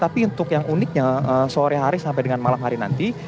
tapi untuk yang uniknya sore hari sampai dengan malam hari nanti